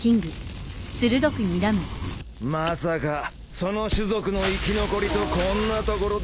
まさかその種族の生き残りとこんなところで。